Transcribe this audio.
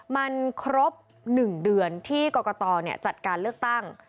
มันครบ๑เดือนที่กรกตจัดการเลือกตั้ง